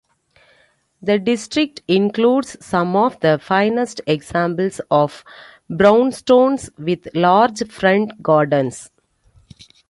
The district includes some of the finest examples of brownstones with large front gardens.